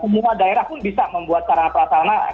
semua daerah pun bisa membuat sarana prasarana